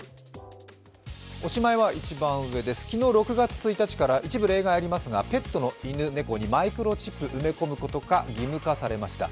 おしまいは、昨日、６月１日から一部例外はありますがペットの犬・猫にマイクロチップを埋め込むことが義務化されました。